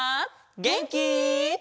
げんき？